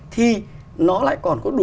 thì nó lại còn có đủ